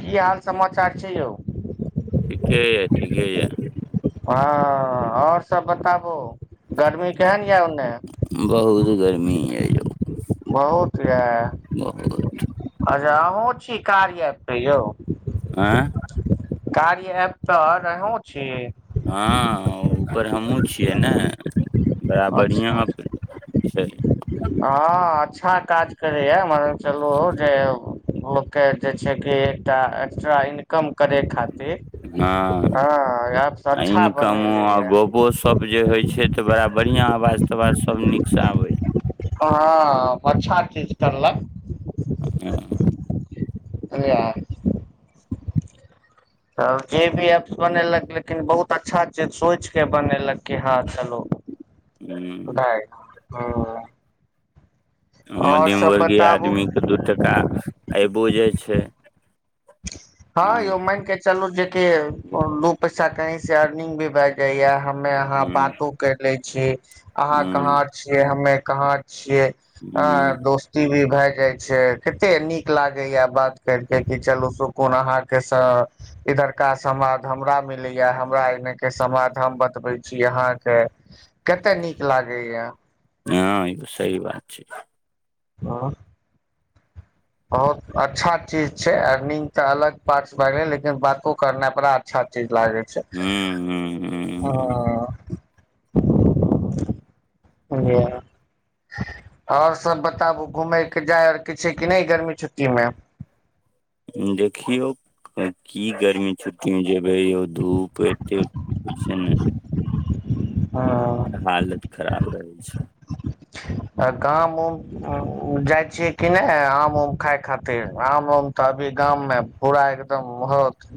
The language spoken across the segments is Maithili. की हाल समाचार छै यौ। ठीके यऽ ठीके यए। हां आओर सब बताबू। गर्मी केहन यए ओन्ने। यऽ बहुत गर्मी यऽ यौ बहुत यऽ बहुत अच्छा अहुँ छी कार्य ऐप पे यौ। आँय कार्य ऐप तर अहूँ छी। हँ ऊपर हमहुँ छियै ने बड़ा बढ़ियां। अच्छा हँ अच्छा काज करैए मगर चलू जे। लोक के जे छै की एकटा एक्स्ट्रा इनकम करय खातिर। हँ हँ एप अच्छा इनकमो बनेले आ ये गप्पो सप्प जे होइ छै तऽ बड़ा। बढ़ियां अवाज तवाज सब नीक सँ आबैए। हँ अच्छा चीज करलक। हँ रेहे [inaudible] तब जे भी एप्स बनेलक लेकिन बहुत अच्छा चीज सोचिकऽ बनेलक कि हँ चलू हूँ हूँ मध्यम वर्गीय आदमीके दू टका आइबो जाइ छै हँ यौ मानि के चलू जे कि दू पैसा कहीं से अर्निंग भी भए जाइया हम्मे अहाँ हूँ बातो कर लै छी अहाँ कहाँं हूँ छीये हम्मे कहाँ छिये ऐं हूँ दोस्ती भी भए जाइ छै कत्ते नीक लागैया बात करके कि चलू सु कोन अहाँ के स इधरका समाद हमरा मिलै ये हमरा एने के समाद हम बत बै छी अहाँके केत्त नीक लागैये हँ ई तऽ सही बात छै हँ बहुत अच्छा चीज छै अर्निंग तऽ अलग पार्टस भए गेलै लेकिन बातो करनाइ बड़ा अच्छा चीज लागै छै हूँ हूँ हूँ हूँ हँ [unintelligible] ओर सब बताबू घुमयके जाय आओर कि छै कि नहि गर्मी छुट्टीमे देखियौ की गर्मी छुट्टी जे यौ धूप एत्ते छै ने हालत खराब रहै छै गाम उम जाइ छियै कि नै आम उम खााय खातिर आम उम तऽ अभी गाम मे पुरा एकदम होत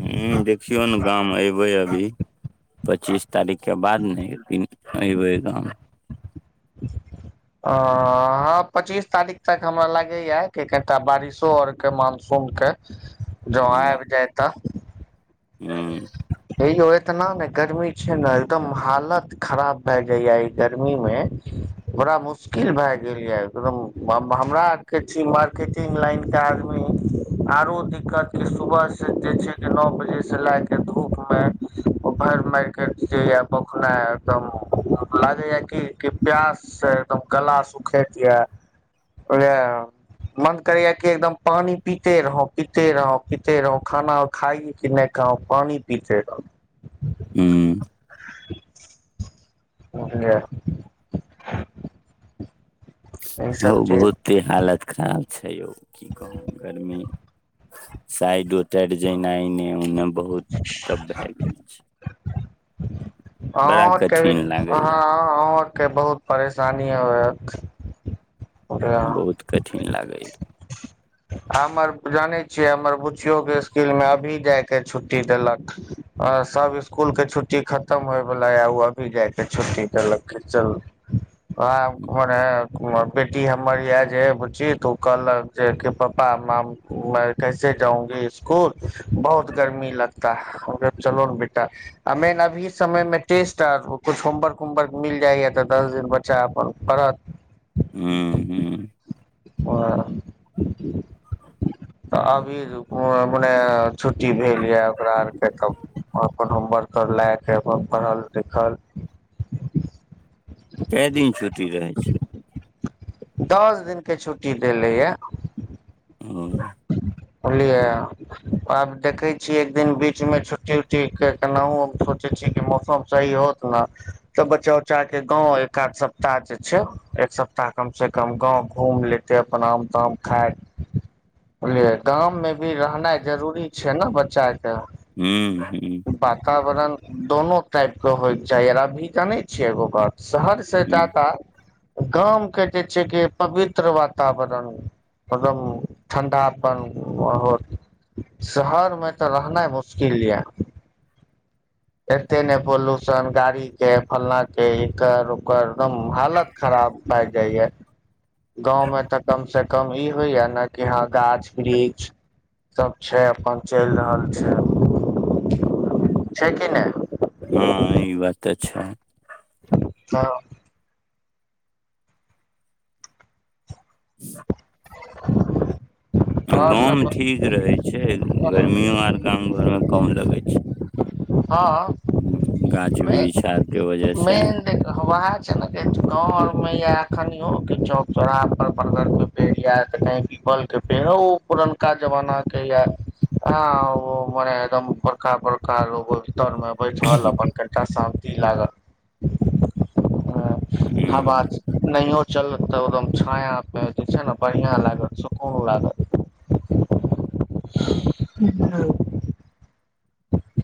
हूँ देखियौ न गाम अयबै अभी पच्चीस तारीख के बाद ने एबै गाम [inaudible] अ हँ पच्चीस तारीख तक हमरा लागैए कि कनिटा बारिशो आओर के मानसून कर जँ हूँ आबि जाय तऽ हूँ हे यौ एतना ने गर्मी छै ने एकदम हालत खराब भए जाइये ई गर्मी मे बड़ा मुश्किल भए गेल ये एकदम हमरा आर के छी मार्केटिंग लाइन के आदमी आरो दिक्कत कि सुबह से जे छै कि नौ बजे से लैके धुप मे भइर मारकेट जाइये बउखनाइ एकदम भेजाइये की की प्यास से एकदम गला सुखैत यै [unintelligible] मन करैया कि एकदम पानी पीते रहौं पीते रहौं पीते रहौं खाना खाइ कि नहि पानी पीते रहु हूँ बुझलियै ई हो सब चीज बहुते हालत खराब छै यौ की कहू गरमी साइड उतर जेना एने उने बहुत तब भए गेल छै अहाँँ बड़ा आरके भी कठिन अँाँ लागैया अहाँँ आरके बहुत परेशानी होयत बहुत कठिन लागैए हमर जानै छियै हमर बुच्चियो के स्कूल मे अभी जायके छुट्टी देलक आ सब स्कूल के छुट्टी खत खतम होयवालला ओ अभी जायके छुट्टी देलक चल वेहा हम मने बेटी हमर यै जे बुची त ओ कहलक जे पापा कैसे जाउंगी स्कुल बहुत गर्मी लगता चलो बेटा अ मैन अभी से समय मे टेस्ट आर कुछ होमवर्क उमवर्क मिल जाइएा तऽ दस दिन बच्चा अपन पढ़त हँ हू ओ तऽ अबी मने छुट्टी भेल यए ओकरा आरके तब अपन होमवर्क ओकर लए कऽ अपन पढ़ल लिखल कै दिन छूटी रहै छै दस दिन के छुट्टी देलैए ओ बुझलिये आब देखे छी एक दिन बीच में छुट्टी उट्टी के केनाहु सोचे छी मौसम सही होत ने त बच्चा उच्चा के गाँव एकाध सप्ताह जे छै एक सप्ताह कमसँ कम गाँव घुमि लेतै अपन आम ताम खाइत बुझलियै गाम मे भी रहनाइ जरूरी छै ने बच्चा के हू हू वातावरण दोनो टाइप के होइ के चाही अभी के नै छिय एगो बात शहर से हुँ ज्यादा गाम के जे छै कि पवित्र वातावरण मदम ठण्डा अपन होत शहर में तऽ रहना मुश्किल या एते ने पोल्यूशन गाड़ी के फलना के एकर ओकर एकदम हालत खराब भाइग जाइयए गाँव में तऽ कम से कम ई होइए ने कि हँ गाछ वृक्ष सब छै अपन चलि रहल छै छै कि नहि हँ ई बात तऽ छै हँ [inaudible] आओर गाँवमे सब ठीक रहै छै गर्मियो आर गाम घरमे कम लगै छै हँ हम्म, गाछ मेन वृक्ष आरके वजह से मेन देखियो जे झुन आरमा [unintelligible] अखनो के चौक चौराह पर बरगर के पेड़ यै त कही पीपल के फेर ओ पुरनका जमानाके यऽ हँ ओ मने एकदम बरका बरका लोगो तरमे बैठल अपन कनिटा शान्ति लागल हुँ हवाज नहि हो चलत त एकदम छाया पे जे छै ने बढ़िया लागत सुकून लागत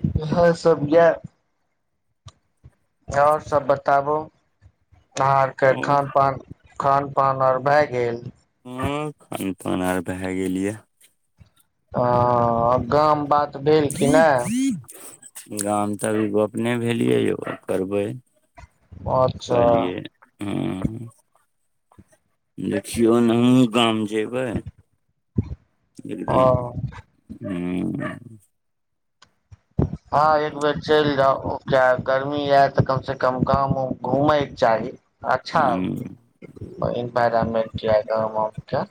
[inaudible] इएह सब यएह ओर सब बताबू अहाँ आर के खान पान खान पान आर भए गेल हँ खानपान आर भए गेल ये ह गाम बात भेल कि नहि गाम तऽ अभि गप नहि भेलियै यौ करबै अच्छा हू देखियो ना हमहु गाम जे जेबै एक ह दिन ह [inaudible] हँ एक बेर चलि जाउ क्या गर्मी ऐत तऽ कम से कम गाम उम घूमैके चाही अच्छा हुँ इन्वायरमेंट यै गाम के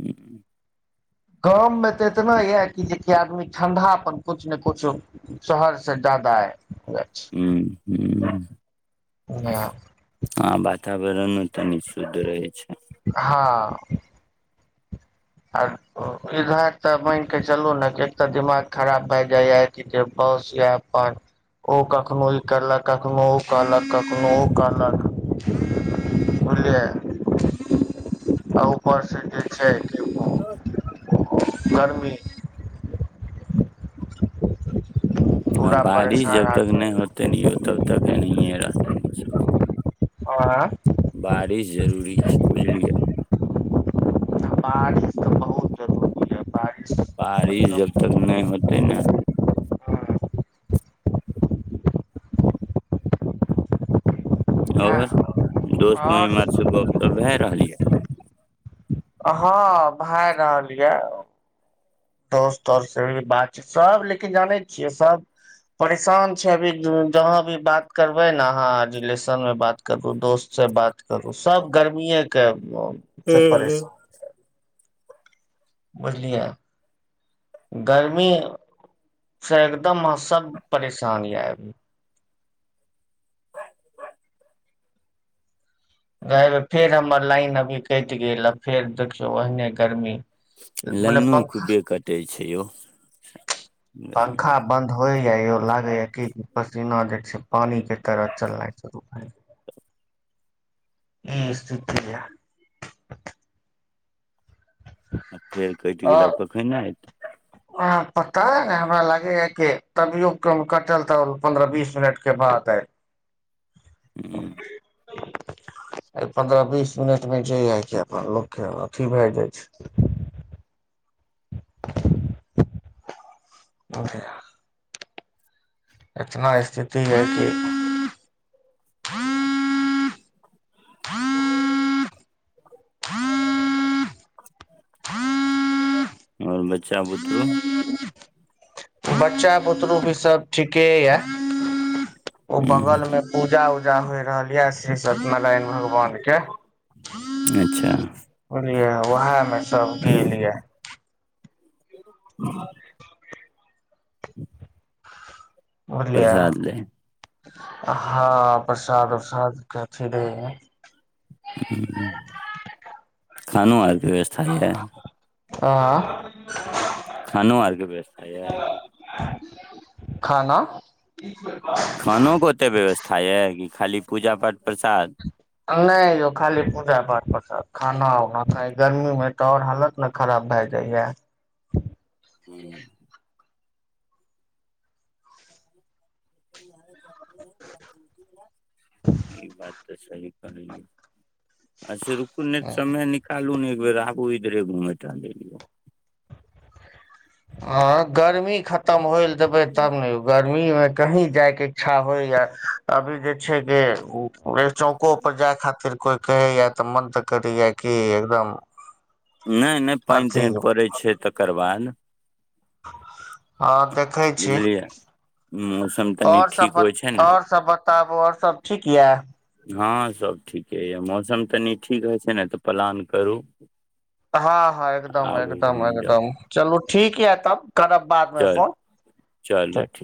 ह्म गाम मे तऽ एतना यए कि जेकि आदमी ठंडा अपन कुछ ने कुछ शहर से जा ज्यादा अइ ह ह आ बात वातावरण तनि शुद्ध रहै छै हँ आ इधर तऽ मान कऽ चलू ने कि एक तऽ दिमाग खराब भए जाइएा कि जे बस यै अपन ओ कखनो ई कलक कखनो ओ कहलक कखनो ओ कहलक बुझलियै आ ऊपरस जे छै गरमी आ पूरा बारिश परेशान जब तक आदमी नहि होतै यौ तब तक एनाहिए रहतै मौसम आ बारिश जरूरी छै बुझलियए बारिश तऽ बहुत जरूर यै बारिश जब तक नहि होते नै हँ ओर दोस्त महिमार से गपशप भए रहल यऽ हँ भए रहल यऽ दोस्त ओर से भी बात छै सब लेकिन जानै छियै सब परेशान छै अभी जहाँ भी बात करबै ने अहाँ रिलेशन मे बात करू दोस्त से बात करू सब गर्मीए के ये से परेशान ह बुझलियए गर्मी सँ एकदम सभ परेशान यए अभी रहब फेर हमर लाइन अभी कटि गेल आ फेर देखियौ ओहने गर्मी मने लाइनो पंखा खूबे कटै छै यौ पंखा आ बन्द होइ य लागैया की पसीना जे छै पानी के तरह चलनाइ शुरू भेल इ सुतियै आ फेर कटि गेलक कखन एत अ पता है ने हमरा लागे हा के तभियो कटल तऽ पन्द्रह बीस मिनट के बाद ऐत [inaudible] ह हेलो एहि पन्द्रह बीस मिनटमे जे हइ कि अपन लोकके अथी भए जाइ छै [inaudible] अरे यार इतना स्थिति है कि ओर बच्चा बुतरू बच्चा बुतरु भी सब ठीके य ओ हूं बगल में पूजा उज पूजा होइ रहल यऽ श्री सत्यनारायण भगवान के अच्छा बुझलियै उएह मे सब गेलिये [inaudible] [inaudible] बुझलियै प्रसाद ले हँ प्रसाद उसाद कथी रहे खानो आरके व्यवस्था यै आँ खानो आरके व्यस्था यै खाना खानोके ओते व्यवस्था यऽ की खाली पूजा पाठ प्रसाद नहि यौ खाली पूजा पाठ परसाद खाना उना खाय गर्मी मे तऽ ओर हालत ने खराब भए जाइया ह्म [unintelligible] ई बात तऽ सही कहलै अच्छा रुकु ने समय निकालू ने एकबेर आबू इधरे घूमे तुमे यौ ह गर्मी खतम होइल देबै तब ने गरमी गर्मी मे कही जाइके इच्छा होइया अभी जे छै जे उ जे चौकोपर जाय खातिर कोइ कहैए तऽ मन तऽ करैए कि एकदम नैय नैत पैन अथी तेन पड़ैत छै तकर बाद हँ देखै छी बुझलियै मौसम तनि ओर सब ठीक बत होइ छै ने ओर सब बताबू और सब ठीक य हँ सब ठीके य मौसम तनी ठीक होइ छै ने तऽ प्लान करू हँ हँ एकदम आबू एकदम घुमि जाउ एकदम चलू ठीक य तब करब बादमे चल फोन ठीक